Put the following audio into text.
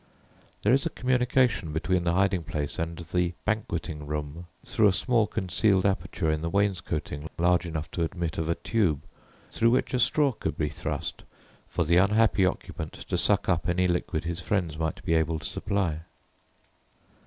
There is a communication between the hiding place and "the banqueting room" through, a small concealed aperture in the wainscoting large enough to admit of a tube, through which a straw could be thrust for the unhappy occupant to suck up any liquid his friends might be able to supply.